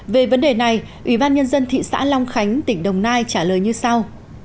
về vấn đề này ủy ban nhân dân thị xã long khánh tỉnh đồng nai trả lời như sau